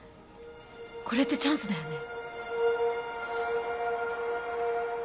これってチャンスだよね。